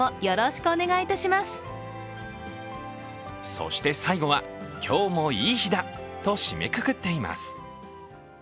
そして最後は、今日もいい日だと締めくくっています。